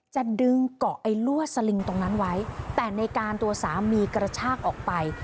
จะดึงเกาะไอ้ลวดสลิงตรงนั้นไว้แต่ในการตัวสามีกระชากออกไป